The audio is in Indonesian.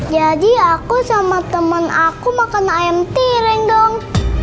jadi aku sama temen aku makan ayam tiring dong